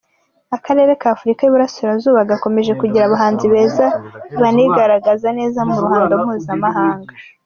Akarere ka Afurika y’uburasirazuba gakomeje kugira abahanzi beza banigaragaza neza mu ruhando mpuzamahanga.